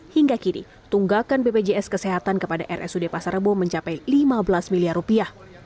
hingga kini tunggakan bpjs kesehatan kepada rsud pasar rebo mencapai lima belas miliar rupiah